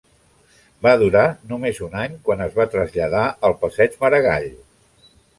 Va durar només un any quan es va traslladar al passeig Maragall.